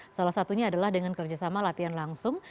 salah satunya adalah dengan kerjasama latihan langsung